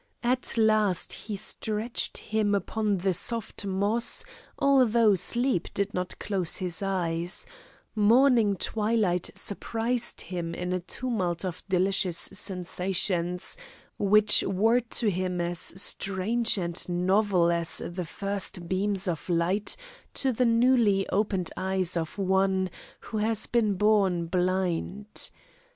At last he stretched him upon the soft moss, although sleep did not close his eyes; morning twilight surprised him in a tumult of delicious sensations, which were to him as strange and novel as the first beam of light to the newly opened eyes of one who has been born blind.